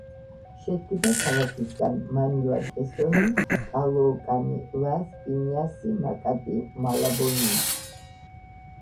შედგება ქალაქისგან მანილა კესონი კალოოკანი ლას პინიასი მაკატი მალაბონი